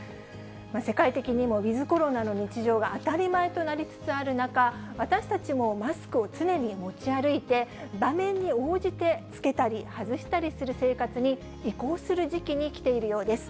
世界的にもウィズコロナの日常が当たり前となりつつある中、私たちもマスクを常に持ち歩いて、場面に応じて、着けたり外したりする生活に移行する時期に来ているようです。